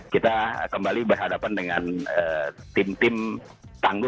kita kembali berhadapan dengan tim tim tangguh